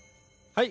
はい。